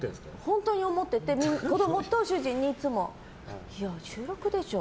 本当に思ってて子供と主人にいつも、いや収録でしょ。